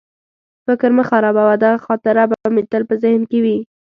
فکر مه خرابوه، دغه خاطره به مې تل په ذهن کې وي.